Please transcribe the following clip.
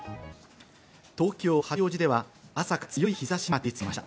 東京・八王子では朝から強い日差しが照りつけました。